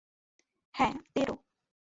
হ্যাঁ, তেরো।